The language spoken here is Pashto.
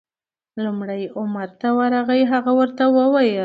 لومړی عمر ته ورغی، هغه ورته وویل: